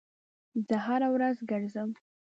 زه هره ورځ ګرځم